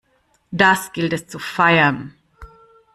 Das gilt es zu feiern!